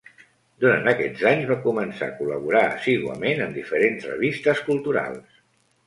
Durant aquests anys va començar a col·laborar assíduament en diferents revistes culturals.